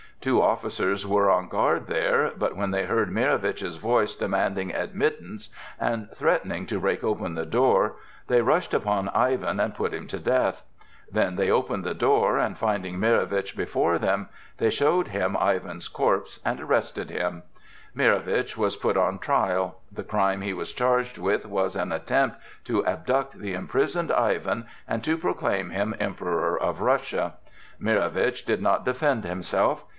Two officers were on guard there, but when they heard Mirowitch's voice demanding admittance and threatening to break open the door, they rushed upon Ivan and put him to death. Then they opened the door, and finding Mirowitch before them, they showed him Ivan's corpse and arrested him. Mirowitch was put on trial. The crime he was charged with was an attempt to abduct the imprisoned Ivan and to proclaim him Emperor of Russia. Mirowitch did not defend himself.